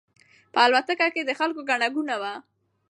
په الوتکه کې د خلکو ګڼه ګوڼه وه.